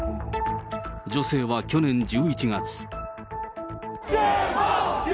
女性は去年１１月。